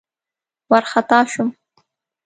وارخطا شوم.